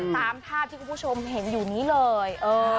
ตามภาพที่คุณผู้ชมเห็นอยู่นี้เลย